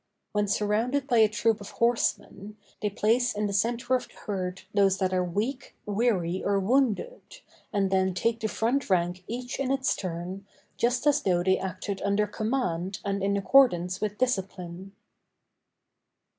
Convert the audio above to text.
When surrounded by a troop of horsemen, they place in the centre of the herd those that are weak, weary, or wounded, and then take the front rank each in its turn, just as though they acted under command and in accordance with discipline.